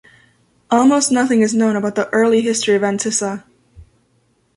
Almost nothing is known about the early history of Antissa.